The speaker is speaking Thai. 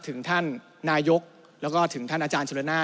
ถึงท่านนายกแล้วก็ถึงท่านอาจารย์ชุลนา